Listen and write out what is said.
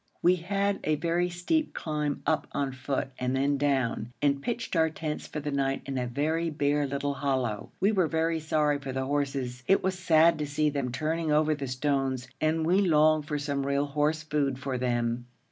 We had a very steep climb up on foot and then down, and pitched our tents for the night in a very bare little hollow. We were very sorry for the horses; it was sad to see them turning over the stones, and we longed for some real horse food for them.